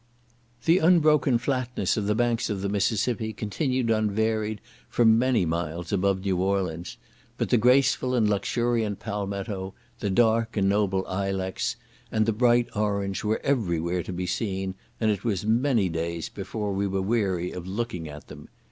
The unbroken flatness of the banks of the Mississippi continued unvaried for many miles above New Orleans; but the graceful and luxuriant palmetto, the dark and noble ilex, and the bright orange, were every where to be seen, and it was many days before we were weary of looking at them.